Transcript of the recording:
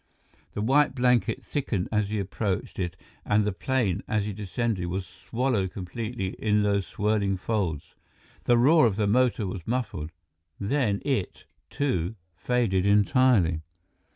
The white blanket thickened as he approached it, and the plane, as it descended, was swallowed completely in those swirling folds. The roar of the motor was muffled; then it, too, faded entirely.